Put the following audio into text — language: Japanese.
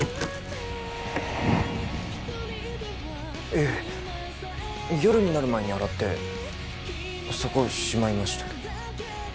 ええ夜になる前に洗ってそこにしまいましたけど。